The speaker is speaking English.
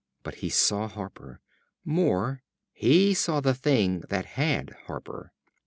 But he saw Harper. More, he saw the thing that had Harper.